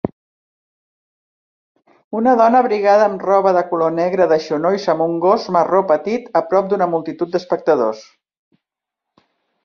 Una dona abrigada amb roba de color negre de genolls amb un gos marró petit a prop d'una multitud d'espectadors.